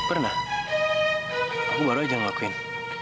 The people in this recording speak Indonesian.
pernah aku baru aja ngelakuin